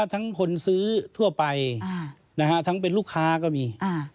ทั้งคนซื้อทั่วไปทั้งเป็นลูกค้าก็มี